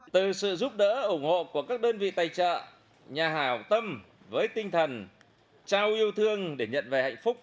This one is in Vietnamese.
từ sự giúp đỡ ủng hộ của các đơn vị tài trợ nhà hào tâm với tinh thần trao yêu thương để nhận về hạnh phúc